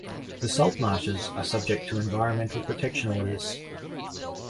The salt marshes are subject to environmental protection orders.